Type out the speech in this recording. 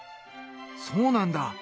そうなんだ！